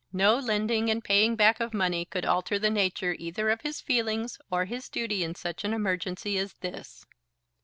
No lending and paying back of money could alter the nature either of his feelings or his duty in such an emergency as this.